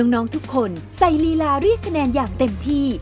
น้องทุกคนใส่ลีลาเรียกคะแนนอย่างเต็มที่